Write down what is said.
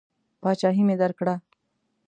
پاچهي مې درکړه.